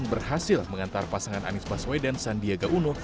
berhasil mengantar pasangan anies baswedan sandiaga uno